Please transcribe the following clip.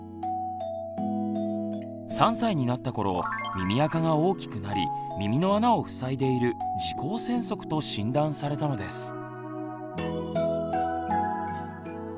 ３歳になったころ耳あかが大きくなり耳の穴をふさいでいる「耳垢栓塞」と診断されたのです。